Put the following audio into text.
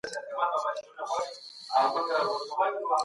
د کوچي ماشومانو لپاره د ګرځندو ښوونځیو لړۍ پراخه نه وه.